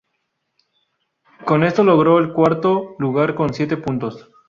Con esto logró el cuarto lugar con siete puntos.